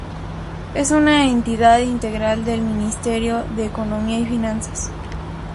Es una entidad integrante del Ministerio de Economía y Finanzas.